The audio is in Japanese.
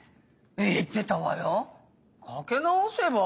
言ってたわよかけ直せば？